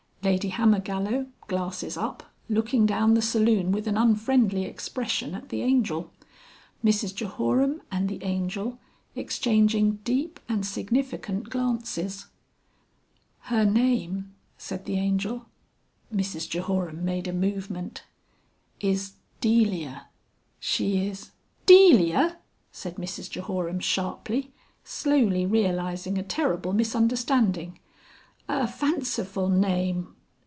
Lady Hammergallow (glasses up) looking down the saloon with an unfriendly expression at the Angel. Mrs Jehoram and the Angel exchanging deep and significant glances. "Her name," said the Angel (Mrs Jehoram made a movement) "is Delia. She is...." "Delia!" said Mrs Jehoram sharply, slowly realising a terrible misunderstanding. "A fanciful name....